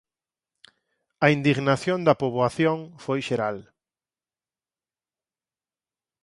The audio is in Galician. A indignación da poboación foi xeral.